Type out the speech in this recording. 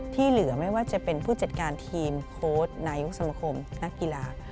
เหลือไม่ว่าจะเป็นผู้จัดการทีมโค้ชนายกสมคมนักกีฬา